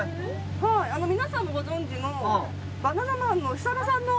皆さんもご存じのバナナマンの。